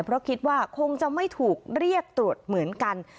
เพราะคิดว่าคงจะไม่ถูกเรียกตรวจเหมือนกัน